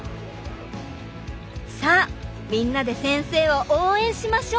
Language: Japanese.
さあみんなで先生を応援しましょう！